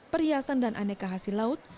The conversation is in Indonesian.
perhiasan dan aneka hasil laut